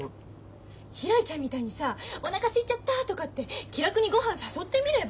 ひらりちゃんみたいにさ「おなかすいちゃった」とかって気楽にごはん誘ってみれば？